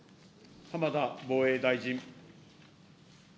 浜田防衛大臣。